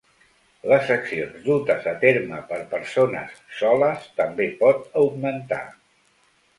Les accions dutes a terme per persones ‘soles’ també pot augmentar.